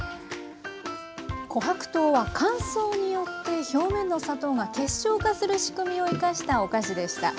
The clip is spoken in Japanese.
琥珀糖は乾燥によって表面の砂糖が結晶化する仕組みを生かしたお菓子でした。